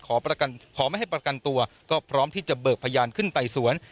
ขอไม่ให้ประกันตัวก็พร้อมที่จะเบิกพยานขึ้นไต่สวน